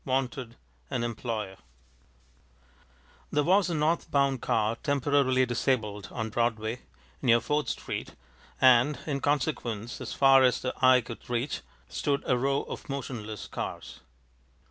WANTED: AN EMPLOYER There was a north bound car temporarily disabled on Broadway, near Fourth Street, and, in consequence, as far south as the eye could reach stood a row of motionless cars.